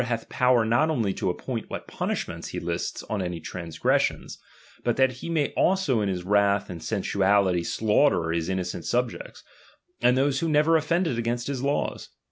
jjath power not only to appoint what punishments he lists on any transgressions, but that he may also in his wrath and sensuality slaughter his in nocent subjects, and those who never offended against the laws.